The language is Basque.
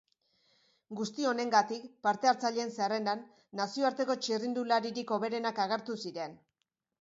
Guzti honengatik, parte-hartzaileen zerrendan nazioarteko txirrindularirik hoberenak agertu ziren.